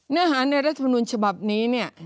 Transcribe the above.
เนื้อหาในรัฐพนุญฉบับนี้